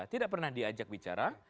tidak pernah diajak bicara